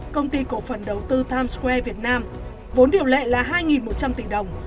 công ty cổ phần đầu tư times square việt nam vốn điều lệ là hai một trăm linh tỷ đồng